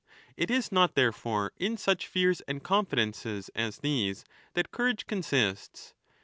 It 15 is not, therefore, in such fears and confidences as these that courage consists.